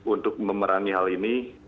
untuk memerangi hal ini